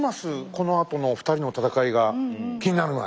このあとの２人の戦いが気になるね。